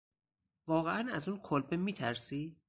واقعاً از اون کلبه میترسی؟